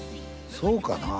そうかなあ？